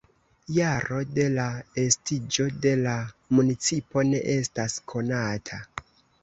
Jaro de la estiĝo de la municipo ne estas konata.